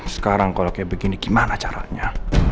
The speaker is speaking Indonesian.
sekarang kalau kayak begini gimana caranya